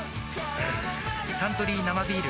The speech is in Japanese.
はぁーー「サントリー生ビール」